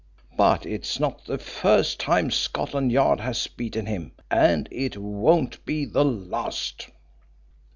But it is not the first time Scotland Yard has beaten him, and it won't be the last."